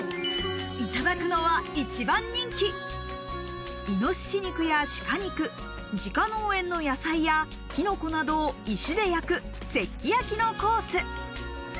いただくのは一番人気、イノシシ肉や鹿肉、自家農園の野菜やキノコなどを石で焼く石器焼きのコース。